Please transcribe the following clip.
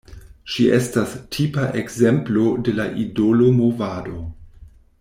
Ŝi estas tipa ekzemplo de la idolo movado.